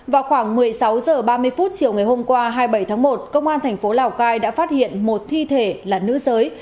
vào khoảng một mươi sáu h ba mươi chiều ngày hôm qua hai mươi bảy tháng một công an thành phố lào cai đã phát hiện một thi thể là nữ giới